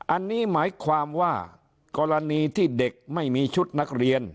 อันนี้หมายความว่ากรณีที่เด็กไม่มีชุดนักเรียน